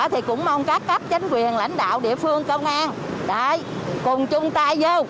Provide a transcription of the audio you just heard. thì cũng mong các cấp chính quyền lãnh đạo địa phương công an cùng chung tay vô